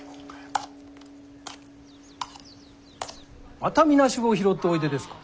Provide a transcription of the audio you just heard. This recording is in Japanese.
またみなしごを拾っておいでですか？